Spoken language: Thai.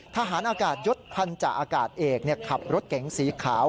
ทหารอากาศยศพันธาอากาศเอกขับรถเก๋งสีขาว